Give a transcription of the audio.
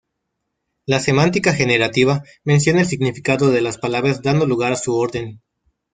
La semántica generativa menciona el significado de las palabras dando lugar a su orden.